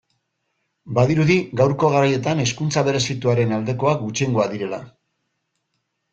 Badirudi gaurko garaietan hezkuntza berezituaren aldekoak gutxiengoa direla.